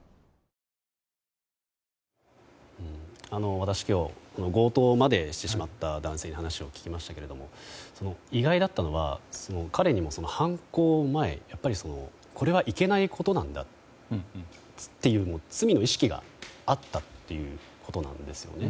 私、今日強盗までしてしまった男性に話を聞きましたけど意外だったのは彼にも犯行前これはいけないことなんだという罪の意識があったということなんですよね。